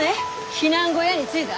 避難小屋に着いだ？